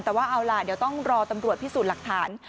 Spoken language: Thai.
แต่ว่าเอาล่ะเดี๋ยวต้องรอตำรวจพิสูจน์หลักฐาน